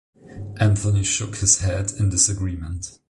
Anthony shook his head in disagreement.